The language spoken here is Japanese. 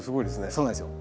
そうなんですよ。